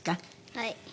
はい。